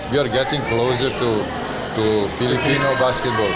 kita mendekati basket filipina